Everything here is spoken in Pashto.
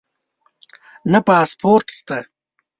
نه پاسپورټ شته